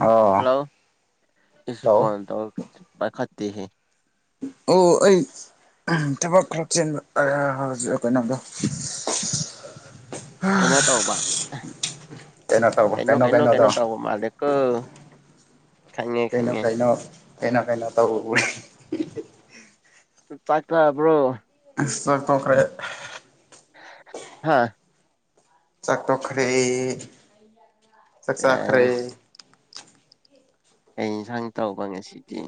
ꯑꯣ hello hello phone [unintelligible] ꯑꯣ ꯑꯩ ꯊꯕꯛ ꯈꯔ ꯆꯦꯟꯕ ꯀꯩꯅꯣꯗ ꯀꯩꯅꯣ ꯇꯧꯕ ꯃꯥ ꯀꯩꯅꯣ ꯀꯩꯅꯅꯣ ꯀꯦꯅꯣ ꯇꯧ ꯃꯥꯂꯤꯀꯣ ꯀꯩꯅꯣ ꯀꯩꯅꯣ ꯀꯩꯅ ꯀꯥꯏꯩꯅ ꯇꯧꯕ [unintelligible] [unintelligible] ꯇꯣꯛꯈ꯭ꯔꯦ ꯍꯥꯥ ꯆꯥꯛ ꯇꯣꯛꯈꯔꯤ ꯆꯥꯛ ꯆꯥꯈꯔꯦ ꯑꯁ ꯀꯩ ꯏꯟꯁꯥꯡ ꯇꯧꯕ ꯉꯁꯤꯗꯤ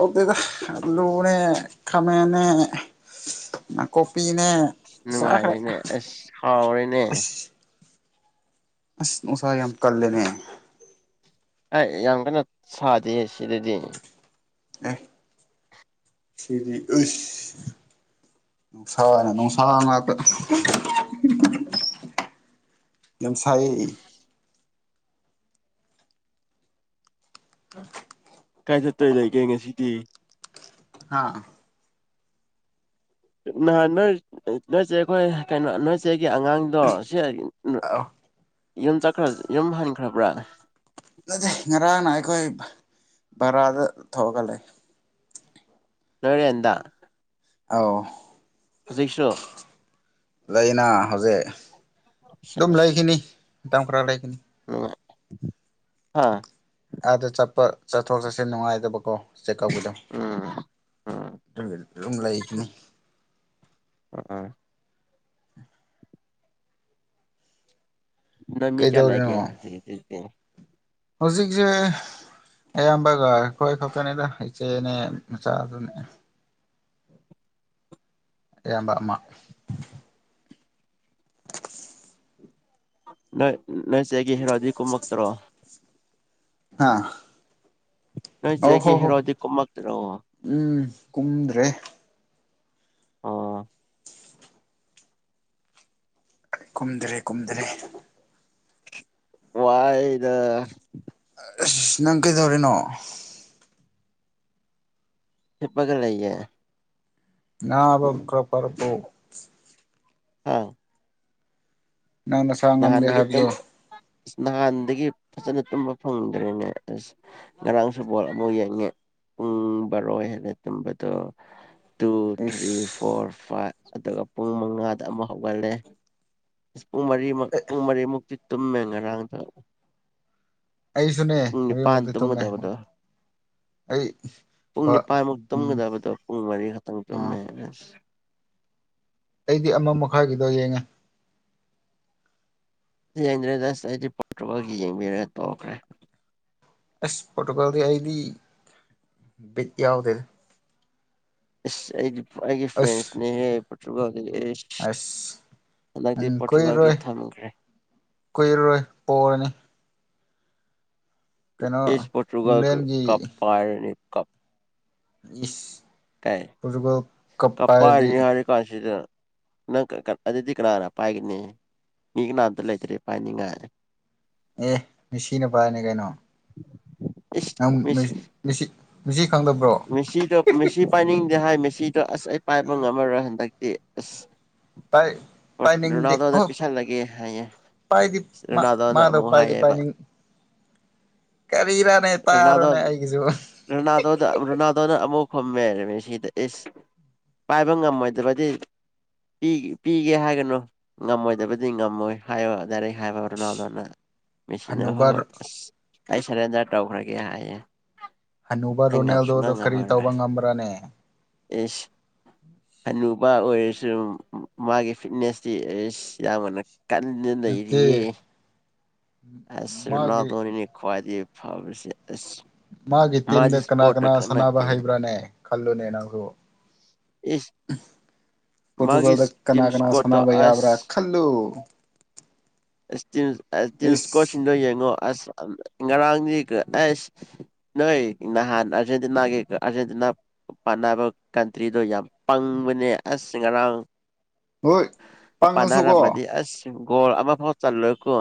ꯑꯗ ꯑꯂꯨꯅꯦ ꯈꯥꯃꯦꯟꯅꯦ ꯀꯣꯄꯤꯅꯦ ꯅꯨꯡꯉꯥꯏꯔꯤꯅꯦ ꯑꯁ ꯍꯥꯎꯔꯦꯅꯦ ꯑꯁ ꯑꯁ ꯅꯨꯡꯁꯥ ꯌꯥꯝ ꯀꯜꯂꯩꯅꯦ ꯑꯩ ꯌꯥꯝ ꯀꯟꯅꯣ ꯁꯥꯗꯦ ꯁꯤꯗꯗꯤ ꯑꯦ ꯁꯤꯗꯤ ꯎꯁ ꯅꯨꯡꯁꯥꯅ ꯅꯨꯡꯁꯥ ꯉꯥꯛꯇ ꯌꯥꯝꯁꯥꯏ [unintelligible] ꯀꯥꯏ ꯆꯠꯇꯣꯏ ꯂꯩꯒꯦ ꯉꯁꯤꯗꯤ ꯑꯥ ꯅꯍꯥꯟ ꯅꯣꯏ ꯅꯣꯏꯆꯦ ꯑꯩꯈꯣꯏ ꯀꯩꯅꯣ ꯅꯣꯏꯆꯦ ꯑꯩꯒꯤ ꯑꯉꯥꯡꯗꯣ ꯁꯤ [unintelligible] ꯌꯨꯝ ꯆꯠꯈ꯭ꯔ ꯌꯨꯝ ꯍꯟꯈ꯭ꯔꯕ꯭ꯔꯥ ꯅꯠꯇꯦ ꯉꯔꯥꯡꯅ ꯑꯩꯈꯣꯏ ꯕꯔꯥꯗ ꯊꯣꯛꯑꯒ ꯂꯩ ꯅꯣꯏꯔꯦꯟꯗ ꯑꯥꯎ ꯍꯧꯖꯤꯛꯁꯣ ꯂꯩꯅ ꯍꯧꯖꯤꯛ ꯑꯗꯨꯝ ꯁꯦꯁ ꯂꯩꯒꯥꯅꯤ ꯃꯇꯝ ꯈꯔ ꯂꯩꯒꯅꯤ ꯍꯥꯥ ꯑꯥꯗ ꯆꯠꯄ ꯆꯠꯊꯣꯛ ꯆꯠꯁꯤꯟ ꯅꯨꯡꯉꯥꯏꯇꯕꯀꯣ ꯆꯦꯀ ꯑꯞꯒꯗ ꯊꯝꯒ ꯂꯥꯏꯒꯅꯤ [unintelligible] ꯅꯣꯏ ꯃꯤ ꯀꯌꯥ ꯀꯩꯗꯧꯔꯤꯅꯣ ꯂꯩꯒꯦ [unintelligible] ꯍꯧꯖꯤꯛꯁꯦ ꯑꯌꯥꯝꯕꯒ ꯑꯩꯈꯣꯏ ꯈꯛꯇꯅꯤꯗ꯫ ꯏꯆꯦꯅꯦ ꯃꯆꯥꯗꯨꯅꯦ꯫ ꯏꯌꯥꯝꯕ ꯑꯃ꯫ [unintelligible] [unintelligible] ꯗꯤ ꯀꯨꯃꯛꯇ꯭ꯔꯣ ꯑꯥ꯫ ꯅꯣꯏ ꯑꯣ ꯆꯦꯒꯤ ꯍꯣ ꯍꯣ ꯍꯤꯔꯣꯗꯤ ꯀꯨꯃꯛꯇꯔꯣ꯫ ꯎꯝ ꯀꯨꯝꯗ꯭ꯔꯦ꯫ ꯑꯣ꯫ ꯀꯨꯝꯗ꯭ꯔꯦ ꯀꯨꯝꯗ꯭ꯔꯦ꯫ ꯋꯥꯏꯗ꯫ ꯑꯁ ꯅꯪ ꯀꯩꯗꯧꯔꯤꯅꯣ꯫ ꯍꯤꯞꯄꯒ ꯂꯩꯌꯦ꯫ ꯅꯕ ꯈꯔ ꯐꯔꯄꯣ꯫ ꯑꯥ꯫ ꯅꯪ ꯅꯁꯥ ꯉꯝꯗꯦ ꯇꯨꯝ ꯍꯥꯏꯕꯗꯣ꯫ ꯅꯍꯥꯟꯗꯒꯤ ꯐꯖꯅ ꯇꯨꯝꯕ ꯐꯪꯗ꯭ꯔꯦꯅꯦ ꯑꯁ꯫ ꯉꯔꯥꯡꯁꯨ ꯕꯣꯜ ꯑꯃꯨꯛ ꯌꯦꯡꯉꯦ꯫ ꯄꯨꯡ ꯕꯥꯔꯣꯏ ꯍꯦꯜꯂꯦ ꯇꯨꯝꯕꯗꯣ꯫ ꯇꯨ ꯊ꯭ꯔꯤ ꯏꯁ ꯐꯣꯔ ꯐꯥꯏꯕ꯫ ꯑꯗꯨꯒ ꯄꯨꯡ ꯃꯉꯥꯗ ꯑꯃꯨꯛ ꯍꯧꯒꯠꯂꯦ ꯏꯁ ꯄꯨꯡ ꯃꯔꯤ ꯃꯔꯤ ꯃꯛ ꯄꯨꯡ ꯃꯔꯤꯃꯨꯛꯇꯤ ꯇꯨꯝꯃꯦ ꯉꯔꯥꯡꯗ ꯑꯩꯁꯨꯅꯦ ꯄꯨꯡ ꯅꯤꯄꯥꯟ ꯃꯔꯤꯃꯨꯛꯇꯤ ꯇꯨꯝꯃꯦ ꯇꯨꯝꯒꯗꯕꯗꯣ ꯑꯩ ꯄꯨꯡ ꯕ ꯅꯤꯄꯥꯟꯃꯨꯛ ꯎꯝ ꯇꯨꯝꯒꯗꯕꯗꯣ ꯄꯨꯡ ꯃꯔꯤ ꯈꯛꯇꯪ ꯑꯥ ꯇꯨꯝꯃꯦ ꯑꯁ꯫ ꯑꯩꯗꯤ ꯑꯃ ꯃꯈꯥꯏꯒꯤꯗꯣ ꯌꯦꯡꯉꯦ꯫ ꯌꯦꯡꯗꯔꯦꯗ ꯑꯁ ꯄꯔꯣꯇꯨꯒꯜꯒꯤ ꯌꯦꯡꯕꯤꯔ ꯇꯣꯛꯈꯔꯦ꯫ ꯑꯁ ꯄꯔꯣꯇꯨꯒꯜꯗꯤ ꯑꯩꯗꯤ ꯕꯤꯠ ꯌꯥꯎꯗꯦꯗ꯫ ꯏꯁ ꯑꯩꯗꯤ ꯑꯩꯒꯤ ꯑꯁ ꯐꯦꯟꯁꯅꯦꯍꯦ ꯇ꯭ꯔꯨꯒꯜ ꯑꯁ ꯍꯟꯗꯛꯇꯤ ꯅꯪ ꯀꯨꯏꯔꯣꯏ ꯄꯣꯔꯇꯨꯒꯜꯒꯤ ꯊꯝꯈ꯭ꯔꯦ ꯀꯨꯏꯔꯔꯣꯏ ꯄꯣꯔꯅꯤ꯫ ꯀꯩꯅꯣ ꯏꯁ ꯄꯔꯣꯇꯨꯒꯜ ꯀ ꯏꯪꯂꯦꯟꯒꯤ ꯀꯞ ꯄꯥꯏꯔꯅꯤ꯫ ꯀꯞ꯫ ꯏꯁ꯫ ꯄꯔꯣꯇꯨꯒꯜ꯫ ꯀꯄꯥꯏꯔꯤꯅꯤ ꯍꯥꯏꯔ ꯀꯥꯟꯁꯤꯗ ꯅꯪ ꯑꯗꯨꯗꯤ ꯀꯅꯥꯅ ꯄꯥꯏꯒꯅꯤ ꯃꯤ ꯀꯅꯥꯝꯇ ꯂꯩꯇ꯭ꯔꯦ ꯄꯥꯏꯅꯤꯡꯉꯥꯏ ꯑꯦ ꯃꯤꯁꯤꯅ ꯄꯥꯏꯅꯤ ꯀꯩꯅꯣ ꯑꯝ ꯃꯦꯁꯤ ꯃꯦꯁꯤ ꯈꯪꯗꯕ꯭ꯔꯣ ꯃꯦꯁꯤꯗ ꯃꯦꯁꯤ ꯄꯥꯏꯅꯤꯡ ꯍꯥꯏ ꯃꯦꯁꯤꯗꯣ ꯑꯁ ꯑꯩ ꯄꯥꯏꯕ ꯉꯝꯃꯔꯣꯏ ꯍꯟꯗꯛꯇꯤ ꯑꯁ ꯄꯥꯏ ꯄꯥꯏꯅꯤꯡꯗꯦ ꯔꯣꯅꯥꯜꯗꯣꯗ ꯄꯤꯁꯜꯂꯒꯦ ꯍꯥꯏꯌꯦ ꯄꯥꯏꯗꯤ ꯔꯣꯅꯥꯜꯗꯣꯅ ꯃꯥꯗꯣ ꯑꯃꯨꯛ ꯄꯥꯏꯗꯤ ꯍꯥꯏꯌꯦꯕ ꯄꯥꯏꯅꯤꯡ ꯀꯔꯤꯔꯥꯅꯦ ꯔꯣꯅꯥꯜꯗꯣ ꯇꯥꯔꯣꯅꯦ ꯑꯩꯒꯤꯁꯨ ꯔꯣꯅꯥꯜꯗꯣꯗ ꯔꯣꯅꯥꯜꯗꯣꯅ ꯑꯃꯨꯛ ꯈꯨꯝꯃꯦꯔꯝ ꯃꯦꯁꯤꯗ ꯏꯁ ꯄꯥꯏꯕ ꯉꯝꯃꯣꯏꯗꯕꯗꯤ ꯄꯤꯒꯦ ꯍꯥꯏꯒꯅꯨ ꯉꯝꯃꯣꯏꯗꯕꯗꯤ ꯉꯝꯃꯣꯏ ꯍꯥꯏꯌꯣ [unintelligible] ꯍꯥꯏꯕ ꯔꯣꯅꯥꯜꯗꯣꯅ ꯃꯦꯁꯤꯅ ꯍꯅꯨꯕ ꯍꯣꯍꯣꯏ ꯑꯩ ꯁꯔꯦꯟꯗꯔ ꯇꯧꯈ꯭ꯔꯒꯦ ꯍꯥꯏꯌꯦ ꯍꯅꯨꯕ ꯑꯩ ꯉꯝ ꯔꯣꯅꯦꯜꯗꯣꯗꯣ ꯁꯨꯡꯉꯝ ꯀꯔꯤ ꯉꯝꯃꯔꯣꯏ ꯇꯧꯕ ꯉꯝꯕ꯭ꯔꯅꯦ ꯏꯁ ꯍꯅꯨꯕ ꯑꯣꯏꯔꯁꯨ ꯃꯥꯒꯤ ꯐꯤꯠꯅꯦꯁꯇꯤ ꯏꯁ ꯌꯥꯝꯕꯅ ꯀꯟꯅ ꯅꯠꯇꯦ ꯅꯩꯔꯤꯌꯦ ꯑꯁ ꯃꯥꯒꯤ ꯔꯣꯅꯥꯜꯗꯣꯅꯤꯅꯦ ꯈꯋꯥꯏꯗꯤ ꯐꯕꯁꯦ ꯑꯁ ꯃꯥꯒꯤ ꯃꯥꯗꯤ ꯇꯤꯝꯗ ꯀꯅꯥ ꯏꯁꯄꯣꯔꯠꯇ ꯀꯅꯥ ꯈꯛ ꯁꯥꯟꯅꯕ ꯅꯠꯇꯦ ꯍꯩꯕ꯭ꯔꯥꯅꯦ ꯈꯜꯂꯨꯅꯦ ꯅꯪꯁꯨ ꯏꯁ ꯃꯥꯒꯤ ꯄꯣꯔꯪꯒꯜꯗ ꯀꯅꯥ ꯇꯤꯝ ꯀꯅꯥ ꯏꯁꯀꯣꯔꯠꯇꯣ ꯁꯅꯥꯕ ꯌꯥꯕ꯭ꯔꯥ ꯈꯜꯂꯨ ꯏꯁ ꯇꯤꯝ ꯇꯤꯝ ꯁꯀꯣꯠ ꯏꯁ ꯁꯤꯡꯗꯦ ꯌꯦꯡꯉꯣ ꯑꯁ ꯉꯔꯥꯡꯗꯤ ꯑꯁ ꯅꯣꯏ ꯅꯍꯥꯟ ꯑꯥꯔꯖꯦꯟꯇꯤꯅꯥꯒꯤ ꯑꯥꯔꯖꯦꯟꯇꯤꯅꯥ ꯄꯥꯟꯅꯕ ꯀꯟꯇ꯭ꯔꯤꯗꯣ ꯌꯥꯝ ꯄꯪꯕꯅꯦ ꯑꯁ ꯉꯔꯥꯡ ꯍꯣꯏ ꯄꯥꯡꯉꯁꯨꯀꯣ ꯄꯥꯟꯅꯔꯝꯃꯗꯤ ꯑꯁ ꯒꯣꯜ ꯑꯃꯐꯥꯎ ꯆꯜꯂꯣꯏꯀꯣ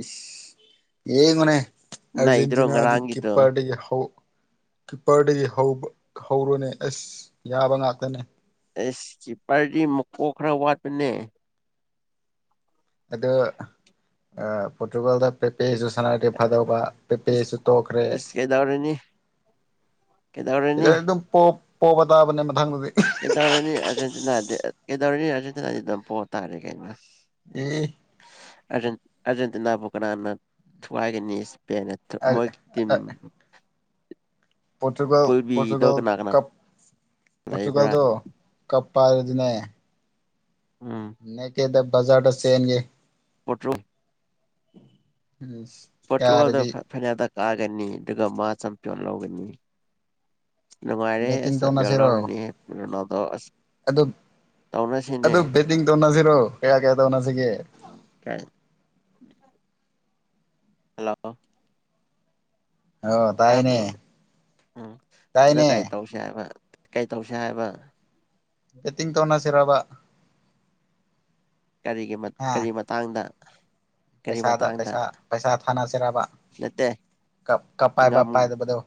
ꯏꯁ ꯌꯦꯡꯉꯨꯅꯦ ꯅꯩꯗ꯭ꯔꯣ ꯑꯔꯖꯦꯟꯇꯅꯥꯗꯤ ꯉꯔꯥꯡꯒꯤꯗꯣ ꯀꯤꯞꯄꯔꯗꯒꯤ ꯍꯧ ꯀꯤꯞꯄꯔꯗꯒꯤ ꯍꯧꯔꯨꯅꯦ ꯑꯁ ꯌꯥꯕ ꯉꯥꯛꯇꯅꯦ ꯑꯦꯁ ꯀꯤꯞꯄꯔꯗꯤ ꯃꯀꯣꯛ ꯈꯔ ꯋꯥꯠꯄꯅꯦ ꯑꯗꯣ ꯑ ꯄꯣꯔꯇꯨꯒꯜꯗ ꯄꯦꯁꯨ ꯁꯅꯥꯔꯗꯤ ꯐꯗꯧꯕ ꯑꯁ ꯄꯦꯄꯦꯁꯨ ꯇꯣꯛꯈ꯭ꯔꯦ ꯑꯁ ꯀꯩꯗꯧꯔꯅꯤ ꯑꯗꯨꯝ ꯄꯣꯞ ꯄꯣꯕ ꯇꯥꯕꯅꯦ ꯃꯊꯪꯗꯗꯤ ꯀꯩꯗꯧꯔꯨꯅꯤ ꯑꯥꯔꯖꯦꯟꯇꯤꯅꯥꯗꯤ ꯀꯩꯗꯧꯔꯨꯅꯤ ꯑꯥꯔꯖꯦꯟꯇꯤꯅꯥ ꯄꯣꯇꯥꯔꯦ ꯀꯩꯅꯣ ꯑꯦ ꯑꯔꯖꯦꯟ ꯑꯔꯖꯦꯟꯇꯤꯅꯥꯕꯨ ꯀꯅꯥꯅ ꯊꯨꯒꯥꯏꯒꯅꯤ [unintelligible] ꯃꯣꯏ ꯇꯤꯝ ꯄꯇꯨꯒꯜ ꯄꯨꯜꯕꯤꯗꯣ ꯄꯇꯨꯒꯜ ꯀꯅꯥ ꯀꯅꯥ ꯀꯞ ꯂꯩꯕ꯭ꯔꯥ ꯄꯇꯨꯒꯜꯗ ꯀꯞ ꯄꯥꯔꯗꯅꯦ ꯅ ꯀꯦꯗꯕ ꯕꯖꯥꯗ ꯁꯍꯟꯒꯦ ꯄꯠꯇ꯭ꯔꯣ ꯎꯝ ꯄꯣꯣꯔꯇꯨꯒꯜꯗ ꯐꯗ ꯀꯥꯒꯅꯤ ꯑꯗꯨꯒ ꯃꯥ ꯆꯝꯄꯤꯌꯣꯟ ꯂꯧꯒꯅꯤ ꯅꯨꯡꯉꯥꯏꯔꯦꯁ ꯕꯦꯠꯇꯤꯡ ꯆꯥꯕꯦꯜ ꯇꯧꯅꯁꯤꯔꯣ ꯂꯧꯔꯅꯤꯣꯅꯥꯗꯣ ꯑꯁ ꯑꯗꯨ ꯇꯧꯅꯁꯤꯅꯦ ꯣ ꯀꯌꯥ ꯀꯌꯥꯗꯅ ꯁꯤꯒꯦ ꯀꯥꯏ ꯍꯜꯂꯣ ꯑꯣ ꯇꯥꯏꯅꯦ ꯇꯥꯕ꯭ꯔꯣ ꯎꯝ ꯑꯗꯣ ꯇꯥꯏꯅꯦ ꯀꯔꯤ ꯇꯧꯁ ꯍꯥꯏꯕ ꯀꯩ ꯇꯧꯁꯦ ꯍꯥꯏꯕ ꯕꯦꯠꯇꯤꯡ ꯇꯧꯅꯁꯤꯔꯕ ꯀꯔꯤꯒꯤ ꯍꯥ ꯀꯔꯤ ꯃꯇꯥꯡꯗ [unintelligible] ꯄꯩꯁꯥꯗ ꯃꯇꯥꯡꯗ ꯄꯩꯁꯥ ꯄꯩꯁꯥ ꯊꯥꯅ ꯆꯩꯦꯔꯥꯕ ꯅꯠꯇꯦ ꯉꯝ ꯀꯄꯥꯏꯕꯕꯥꯞꯄꯥꯏꯗꯕꯗꯣ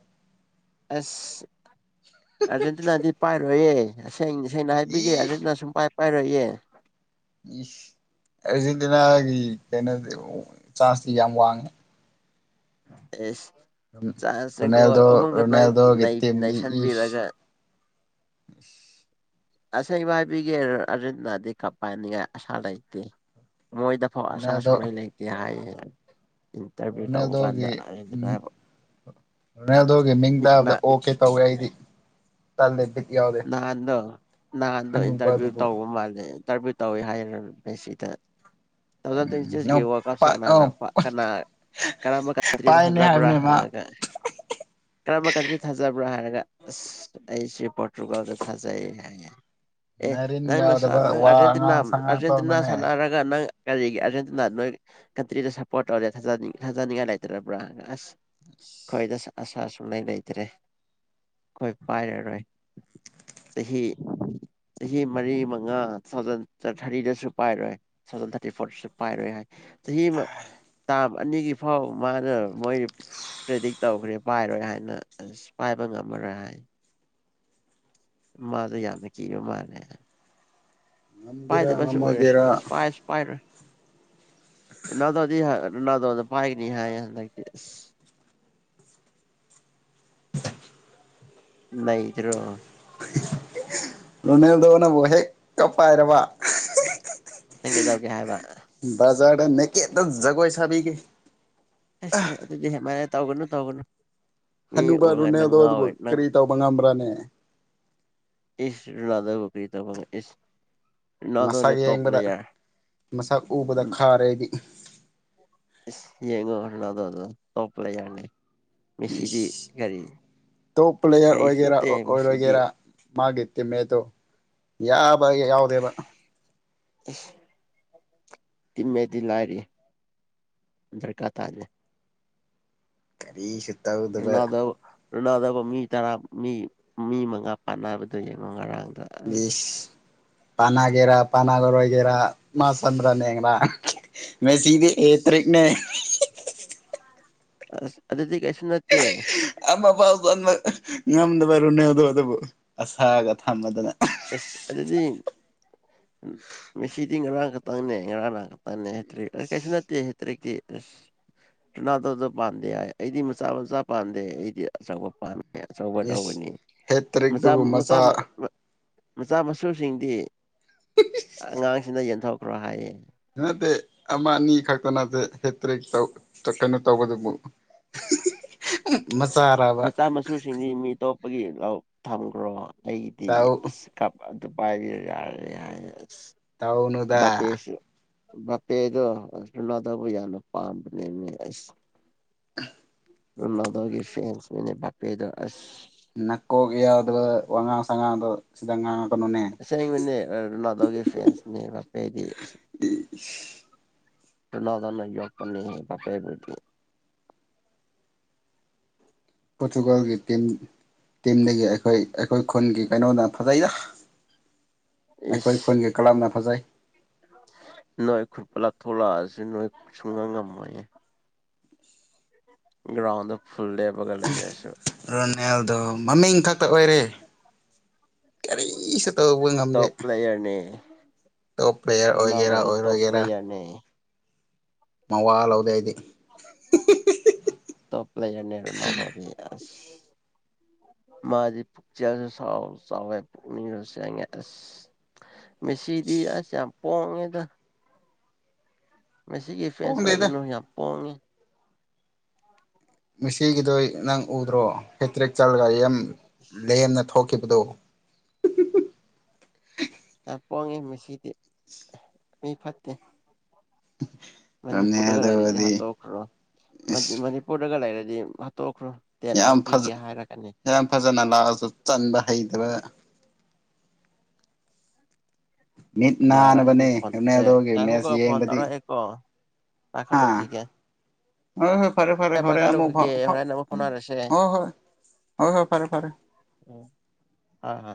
ꯑꯁ ꯑꯥꯔꯖꯦꯟꯇꯤꯅꯥꯗꯤ ꯄꯥꯏꯔꯣꯏꯌꯦ ꯏꯁꯦꯡ ꯁꯦꯡꯅ ꯏ ꯍꯥꯏꯕꯤꯒꯦ ꯑꯗꯨꯅ ꯁꯨꯝ ꯄ ꯄꯥꯏꯔꯛꯌꯦꯦ ꯑꯔꯖꯦꯟꯇꯤꯅꯥꯒꯤ ꯀꯩꯅꯣꯗꯤ ꯆꯥꯟꯁꯇꯤ ꯌꯥꯝ ꯋꯥꯡꯉꯦ ꯑꯦꯁ ꯆꯥꯟꯁꯅ ꯒꯣꯜ ꯔꯣꯅꯦꯜꯗꯣ ꯑꯍꯨꯝ ꯈꯛꯇꯪ ꯅꯩ ꯔꯣꯅꯦꯜꯗꯣꯒꯤꯇꯦꯝꯗꯤ ꯏꯁ ꯅꯩꯁꯟꯕꯤꯔꯒ ꯑꯁ ꯑꯁꯦꯡ ꯏꯃꯥꯏꯕꯤꯒꯤ ꯑꯔꯤꯟꯗꯗꯤ ꯀ ꯄꯥꯏꯅꯤꯡꯉꯥꯏ ꯑꯁꯥ ꯂꯩꯇꯦ ꯃꯣꯏꯗ ꯐꯥꯎ ꯑꯁꯥ ꯔꯣꯅꯦꯜꯗꯣ ꯁꯃꯥꯏ ꯂꯩꯇ ꯍꯥꯏ ꯔꯣꯅꯦꯜꯗꯣꯒꯤ ꯑꯥꯔꯖꯦꯟꯇꯤꯅꯥꯕꯨ ꯔꯣꯅꯦꯜꯗꯣꯒꯤ ꯃꯤꯡ ꯇꯥꯕꯗ ꯑꯣ ꯀꯦ ꯇꯧꯋꯦ ꯑꯩꯗꯤ ꯇꯜꯂꯦ ꯕꯤꯠ ꯌꯥꯎꯗꯦ ꯅꯍꯥꯟꯗꯣ ꯅꯍꯥꯟꯗꯣ ꯍꯟꯅꯨꯕ ꯏꯟꯇꯔꯚꯤꯌꯨ ꯑꯗꯨꯕꯨ ꯇꯧꯕ ꯃꯥꯜꯂꯦ ꯏꯟꯇꯔꯚꯌꯨ ꯇꯧꯋꯤ ꯍꯥꯏꯅ ꯁꯤꯗ ꯇꯨ ꯊꯥꯎꯖꯟ ꯇ꯭ꯋꯦꯟꯇꯤ ꯁꯤꯛꯁ ꯋꯥꯔꯜ ꯀꯞꯁꯦ ꯀꯅꯥꯅ ꯀꯅꯥ ꯀꯔꯝꯕ ꯀꯟꯇ꯭ꯔꯤꯗ ꯄꯥꯏꯅꯤ ꯊꯥꯖꯕ꯭ꯔꯥ ꯍꯥꯏꯕꯅꯦ ꯃꯥ ꯍꯥꯏ ꯀꯔꯝꯕ ꯀꯟꯇ꯭ꯔꯤꯗ ꯊꯥꯖꯕ꯭ꯔꯥ ꯍꯥꯏꯔ ꯑꯁ ꯑꯩꯁꯦ ꯄꯣꯔꯇ꯭ꯔꯨꯒꯜꯗ ꯊꯥꯖꯩꯌꯦ ꯀ ꯑꯦ ꯅꯔꯤꯟ ꯅꯪ ꯅꯪ ꯌꯥꯎꯗꯕ ꯋꯥ ꯑꯉꯥꯡ ꯑꯦꯟ ꯁꯉꯥꯡ ꯑꯥꯔꯖꯦꯟꯇꯤꯅꯥ ꯇꯧꯅꯨꯅꯦ ꯁꯥꯟꯅꯔꯒ ꯅꯪ ꯀꯔꯤꯒꯤ ꯑꯥꯔꯖꯦꯟꯇꯤꯅꯥ ꯅꯣꯏ ꯀꯟꯇ꯭ꯔꯤꯗ ꯁꯞꯄꯣꯔꯠ ꯇꯧꯔꯦ ꯊꯥꯖꯅꯤꯡꯉꯥꯏ ꯂꯩꯇ꯭ꯔꯔꯕ꯭ꯔꯥ ꯑꯁ ꯈꯣꯏꯗ ꯑꯁꯥ ꯁꯨꯡꯉꯩ ꯂꯩꯇ꯭ꯔꯦ ꯑꯩꯈꯣꯏ ꯄꯥꯏꯔꯔꯣꯏ ꯆꯍꯤ ꯆꯍꯤ ꯃꯔꯤ ꯃꯉꯥ ꯇꯨ ꯊꯥꯎꯖꯟ ꯊꯥꯔꯇꯤꯗꯁꯨ ꯄꯥꯏꯔꯣꯏ ꯇꯨ ꯊꯥꯎꯖꯟ ꯊꯥꯔꯇꯤ ꯐꯣꯔꯗꯁꯨ ꯄꯥꯏꯔꯣꯏ ꯍꯥꯏ ꯆꯍꯤ ꯇꯥ ꯑꯅꯤꯒꯤ ꯐꯥꯎ ꯃꯥꯅ ꯃꯣꯏ ꯄ꯭ꯔꯦꯗꯤꯛ ꯇꯧꯈ꯭ꯔꯦ ꯄꯥꯏꯔꯣꯏ ꯍꯥꯏꯅ ꯑꯁ ꯄꯥꯏꯕ ꯉꯝꯃꯔꯣꯏ ꯍꯥꯏ ꯃꯥꯗ ꯌꯥꯝꯅ ꯀ ꯃꯥꯅꯦ ꯉꯝꯒꯦꯔꯥ ꯄꯥꯏꯗꯕꯁꯨ ꯑꯣꯏꯔꯁꯅꯨ ꯉꯝꯃꯣꯏꯒꯦꯔꯥ ꯑꯁ ꯄꯥꯏꯁꯨ ꯄꯥꯏꯔꯣꯏ ꯅꯗꯗꯤ ꯅꯗ ꯄꯥꯏꯒꯅꯤ ꯍꯥꯏ ꯃ ꯏꯗꯔꯣ ꯔꯣꯅꯦꯜꯗꯣꯅ ꯍꯦꯛꯀ ꯄꯥꯏꯔꯕ ꯅꯪꯒꯦ ꯇꯧꯒꯦ ꯍꯥꯏꯕ ꯗ ꯅ ꯀꯦꯗ ꯖꯒꯣꯏꯁꯕꯤꯒꯤ ꯑ ꯍ ꯇꯧꯒꯅ ꯇꯒꯅ ꯍꯅꯨꯕꯥꯔꯨꯅꯦꯗꯣ ꯀꯔꯤ ꯇꯕꯒꯔꯥꯅꯦ ꯏ ꯔꯂꯥꯗ ꯀ꯭ꯔꯤ ꯇ ꯋꯥ ꯏꯁ ꯃꯁꯛ ꯔꯣꯅꯥꯜꯗꯣꯅꯦ ꯇꯣꯞ ꯌꯦꯡꯕꯗ ꯄ꯭ꯂꯦꯌꯔ ꯃꯁꯛ ꯎꯕꯗ ꯈꯥꯔꯦꯗꯤ ꯌꯦꯡꯉ ꯍꯔꯅ ꯑꯗꯨꯣ ꯑꯗꯨ ꯇꯣꯄꯂ ꯌꯥꯅꯤꯦ ꯇꯣꯞ ꯄ꯭ꯂꯦꯌꯔ ꯀꯔꯤꯁꯨ ꯑꯣꯏꯒꯦꯔꯥ ꯅꯠꯇꯦ ꯃꯦꯁꯤꯗꯤ ꯑꯣꯏꯔꯣꯏꯒꯦꯔꯥ ꯃꯥꯒꯤ ꯇꯤꯝꯃꯦꯠꯇꯣ ꯌꯥꯕ ꯌꯥꯎꯗꯦꯕ ꯎ ꯇꯤꯃꯦꯗꯤ ꯂꯥꯏꯔꯤ ꯗꯔꯀꯥ ꯇꯥꯅꯤ ꯀꯔꯤ ꯁ ꯏꯂꯗ ꯂꯨꯅꯗꯕ ꯃꯤ ꯇꯔꯥ ꯃꯤ ꯃꯤ ꯃꯉꯥ ꯄꯥꯟꯕꯗꯣ ꯌꯦꯡꯉꯣ ꯉꯔꯥꯡ ꯁ ꯄꯅꯥꯒꯦꯔꯥ ꯄꯅꯥꯒꯔꯣꯏ ꯦꯔ ꯃꯥꯁ꯭ꯔ ꯑꯁ ꯅ꯭ꯔꯥ ꯃ ꯁꯦ ꯑꯦꯇꯔꯤꯛꯅꯦ ꯑꯁ ꯑꯗꯨꯗꯗꯤꯤ ꯀꯁ ꯅꯠꯇꯦ ꯑꯃ ꯄꯥꯎ ꯆꯟꯕ ꯉꯝꯗꯕ ꯔꯨꯅꯦꯗꯣ ꯑꯗꯨꯕꯨ ꯑꯁꯥꯒ ꯊꯝꯃꯗꯅ ꯑꯦꯁ ꯑꯗꯨꯗꯤ ꯃꯦꯁꯤꯗꯤ ꯉꯔꯥꯡ ꯈꯛꯇꯪꯅꯦ ꯉꯔꯥꯡ ꯅꯍ ꯈꯛꯇꯪꯅꯦ ꯍꯦꯇꯔꯤꯛ ꯑꯁ ꯀꯩꯁꯨ ꯅꯠꯇꯦ ꯍꯦꯇ꯭ꯔꯦꯛꯇꯤ ꯑꯦꯁ ꯇꯨꯅꯥꯗꯣꯗꯣ ꯄꯥꯟꯗꯦ ꯍꯥꯏ ꯑꯩꯗꯤ ꯃꯆꯥ ꯃꯆꯥ ꯄꯥꯟꯗꯦ ꯑꯩꯗꯤ ꯑꯆꯧꯕ ꯄꯥꯝꯃꯦ ꯑꯦ ꯑꯆꯧꯕ ꯏꯁ ꯇꯧꯕꯅꯤ ꯃꯆꯥ ꯍꯦꯇ꯭ꯔꯤꯛꯇꯨꯕꯨ ꯃꯆꯥ ꯃꯆꯥ ꯃꯁꯨꯁꯤꯡꯗꯤ ꯑꯉꯥꯡꯁꯤꯡꯅ ꯌꯦꯟꯊꯊꯧ ꯀꯍꯥꯏꯌꯦ ꯅꯠꯇꯦ ꯑꯃ ꯑꯅꯤ ꯈꯛꯇ ꯅꯠꯇꯦ ꯍꯦ ꯇꯔꯦꯛ ꯇꯧ ꯀꯩꯅꯣ ꯇꯧꯕꯗꯨꯕꯨ ꯃꯆꯥꯔꯕ ꯃꯆꯥꯥ ꯃꯁꯨꯁꯤꯡ ꯃꯤꯇꯣ ꯒꯤ ꯂꯧ ꯊꯝꯈ꯭ꯔꯣ ꯑꯩꯗꯤ ꯇꯧ ꯑꯁ ꯀꯞ ꯑꯗꯨ ꯑꯗꯨ ꯄꯥꯏꯒꯒ ꯌꯥ ꯇꯧꯅꯗ ꯄꯦꯗꯣꯅꯗꯕꯨ ꯌꯥꯅ ꯄꯅꯤꯁ [unintelligible] ꯎꯗꯒꯦ ꯐꯦ ꯅꯦ ꯕꯥꯄꯦꯗꯣ ꯑꯁ ꯅ ꯀꯣꯌꯥꯗ ꯋꯥꯉꯥꯡ ꯁꯉꯥꯗ ꯁꯤꯥ ꯁꯅꯦ ꯂꯗꯒꯤ ꯐꯦꯟꯁꯅꯦꯄꯦꯗꯤ ꯐꯅꯥꯗꯅ ꯌꯣ ꯄꯅꯤꯦ ꯄꯄꯠꯇ ꯄꯣꯣꯔꯆꯨꯒꯜꯒꯤꯇꯤꯟ ꯇꯤꯝꯗꯒꯤ ꯑꯩꯈꯣꯏ ꯑꯩꯈꯣꯏ ꯈꯨꯟꯒꯤ ꯀꯩꯅꯣꯅ ꯐꯖꯩꯗ ꯑꯩꯈꯣꯏ ꯏꯁ ꯈꯒꯤ ꯀꯥꯝꯅ ꯐꯖꯥꯏ ꯅꯣꯏ ꯈꯨꯔꯄꯂꯥ ꯊꯂ ꯑꯁꯤꯁ ꯅꯣꯏ ꯁꯨꯡꯉꯥꯡ ꯉ ꯑꯃ ꯃꯌꯦ ꯭ꯔꯥꯎꯗ ꯔꯣꯅꯦꯜꯗꯣ ꯃꯃꯤꯡ ꯈꯛꯇ ꯑꯣꯏꯔꯦ ꯀꯔꯤꯁꯨ ꯇꯧꯕ ꯉꯝꯗꯦ ꯇꯣꯞ ꯄ꯭ꯂꯦꯌꯔꯅꯦ ꯇꯣꯞ ꯄ꯭ꯂꯦꯌꯔ ꯑꯣꯏꯒꯦꯔꯥ ꯔꯣꯅꯥꯜꯗꯣꯗꯤ ꯇꯣꯞ ꯑꯣꯏꯔꯣꯏꯒꯦꯔꯥ ꯄ꯭ꯂꯦꯌꯔꯅꯦ ꯃꯋꯥ ꯂꯧꯗꯦ ꯑꯩꯗꯤ ꯇꯞ꯭ꯂ ꯌꯥꯔ ꯅꯕꯕꯤꯁ ꯃꯥꯗꯤ ꯄꯨꯛꯆꯦꯜꯁꯨ ꯆꯥꯎꯋꯦ ꯄꯨꯛꯅꯤꯡꯁꯨ ꯆꯦꯡꯉꯦ ꯑꯁ ꯃꯦꯁꯤꯗꯤ ꯑꯁ ꯌꯥꯝ ꯄꯣꯡꯉꯦꯗ ꯃꯁꯤꯒꯤ ꯐꯦꯟꯁ ꯄꯣꯡꯗꯦꯗ ꯑꯣꯏꯒꯅꯨ ꯌꯥꯝ ꯄꯣꯡꯉꯤ ꯉꯁꯤꯒꯤꯗꯣ ꯅꯪ ꯎꯗ꯭ꯔꯣ ꯍꯦꯇ꯭ꯔꯤꯛ ꯆꯜꯒ ꯑꯦꯝ ꯂꯦꯝꯅ ꯊꯣꯛ ꯄꯗꯣ ꯌꯥꯝ ꯄꯣꯡꯉꯦ ꯃꯁꯤꯗꯤ ꯃꯤ ꯐꯠꯇꯦ ꯃꯅꯤꯄꯨꯔꯨꯔꯒ ꯂꯩꯔꯗꯤ ꯔꯣꯅꯦꯜꯗꯣꯗꯤ ꯍꯥꯠꯇꯣꯈ꯭ꯔꯣ ꯏꯁ ꯃꯅꯤꯄꯨꯔꯒꯥꯏꯔꯗꯤ ꯍꯥꯏꯗꯤ ꯍꯥꯠꯇꯣꯛꯈ꯭ꯔꯣ ꯇꯦꯟ ꯂꯥꯛ ꯌꯥꯝ ꯄꯤꯒꯦ ꯍꯥꯏꯔꯛꯀꯅꯤ ꯌꯥꯝ ꯐꯖꯅ ꯂꯥꯛꯑꯁꯨ ꯆꯟꯕ ꯍꯩꯇꯕ ꯃꯤꯠ ꯀꯅꯥ ꯍꯥꯏꯔꯛ ꯅꯥꯅꯕꯅꯦ ꯑꯩꯕꯨ ꯐꯣꯟ ꯑꯦ ꯔꯣꯅꯦꯜꯗꯣꯒꯤ ꯌꯥꯣꯀꯣ ꯃꯦꯠꯆ ꯐꯣꯟ ꯌꯦꯡꯕꯗꯤ ꯇꯧꯔꯛꯑꯦꯀꯣ ꯋꯥꯈ ꯂꯨ ꯀ ꯀꯦ ꯑꯣ ꯍꯣ ꯐꯔꯦ ꯐꯔꯦ ꯍꯔꯦꯨꯥꯎꯥꯎ ꯍꯣꯔꯦꯟ ꯑꯃꯨꯛ ꯐꯥꯎꯅꯔꯁꯦ ꯍ ꯍꯣꯏ ꯍꯣꯏ ꯍꯣꯏ ꯐꯔꯦ ꯐꯔꯦ ꯎꯝ ꯍꯣꯏ ꯍꯣꯏ